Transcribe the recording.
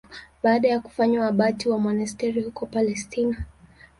Baada ya kufanywa abati wa monasteri huko Palestina.